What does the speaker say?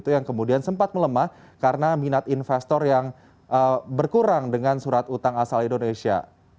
yang kemudian sempat melemah karena minat investor yang berkurang dengan surat utang asal indonesia